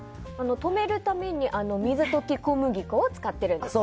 止めるために水溶き小麦粉を使っているんですね。